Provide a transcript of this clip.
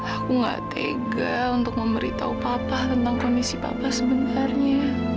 aku gak tega untuk memberitahu papa tentang kondisi papa sebenarnya